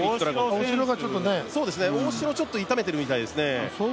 大城もちょっと痛めているみたいですね。